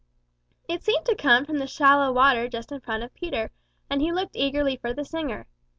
It seemed to come from the shallow water just in front of Peter, and he looked eagerly for the singer.